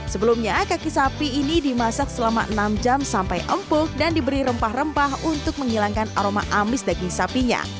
sebelumnya kaki sapi ini dimasak selama enam jam sampai empuk dan diberi rempah rempah untuk menghilangkan aroma amis daging sapinya